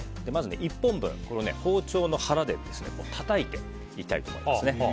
１本分、包丁の腹でたたいていきたいと思います。